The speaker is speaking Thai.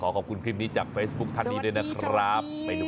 โอ้โหตอนนี้เจ้ายักษ์นี่อิมตับไก่เลยนะ